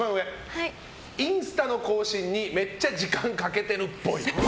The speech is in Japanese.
インスタの更新にめっちゃ時間かけてるっぽい。